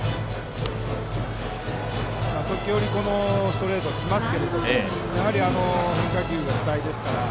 時折、ストレートは来ますがやはり変化球が主体ですから。